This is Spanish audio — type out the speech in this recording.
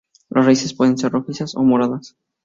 Las raíces pueden ser rojizas o moradas.